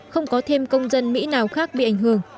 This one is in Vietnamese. không có thêm công dân mỹ nào khác bị ảnh hưởng